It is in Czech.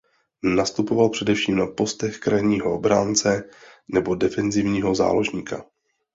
Nastupoval především na postech krajního obránce nebo defenzivního záložníka.